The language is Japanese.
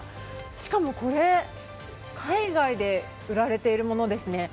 しかも、これ海外で売られているものですね。